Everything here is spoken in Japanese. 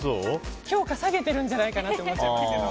評価下げてるんじゃないかなと思っちゃうけど。